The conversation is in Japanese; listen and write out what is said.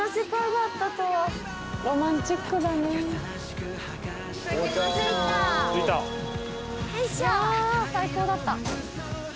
あ最高だった。